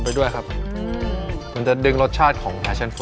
แล้วก็ใส่น้ำเขียว